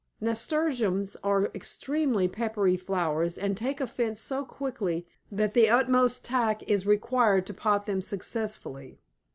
Nasturtiums are extremely peppery flowers, and take offence so quickly that the utmost tact is required to pot them successfully.